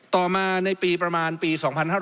ต่อมาในปีประมาณปี๒๕๕๙